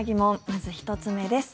まず１つ目です。